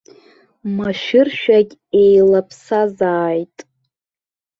Машәыршәагь еилаԥсазааит.